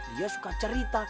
dia suka cerita